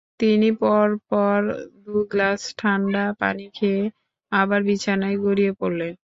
তিনি পরপর দুগ্লাস ঠাণ্ডা পানি খেয়ে আবার বিছানায় গড়িয়ে পড়লেন।